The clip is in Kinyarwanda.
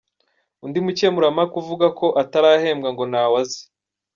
Undi mukemurampaka uvuga ko atarahembwa ngo ntawe azi.